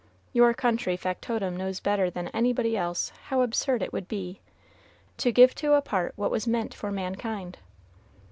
Your country factotum knows better than anybody else how absurd it would be "To give to a part what was meant for mankind."